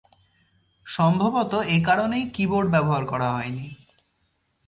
সম্ভবত এ কারণেই কি-বোর্ড ব্যবহার করা হয়নি।